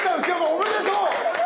おめでとう！